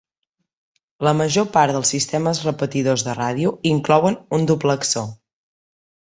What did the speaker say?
La major part dels sistemes repetidors de ràdio inclouen un duplexor.